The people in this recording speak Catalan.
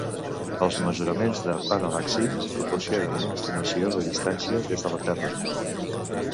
Els mesuraments de paral·laxi proporcionen una estimació de distància des de la Terra.